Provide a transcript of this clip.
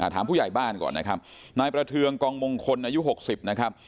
ถามผู้ใหญ่บ้านก่อนนะครับนายประเทืองกองมงคลอายุ๖๐นะครับ